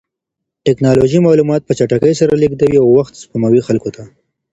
ټکنالوژي معلومات په چټکۍ سره لېږدوي او وخت سپموي خلکو ته.